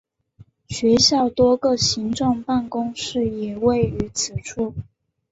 学校多个行政办公室也位于此处。